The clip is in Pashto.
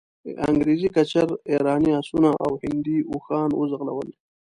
انګریزي کچر، ایراني آسونه او هندي اوښان وځغلول.